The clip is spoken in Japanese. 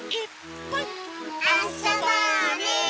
あそぼうね。